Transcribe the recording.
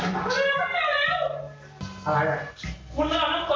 เร็วแล้วแล้ว